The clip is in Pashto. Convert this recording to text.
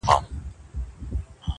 پلار چوپتيا کي عذاب وړي تل,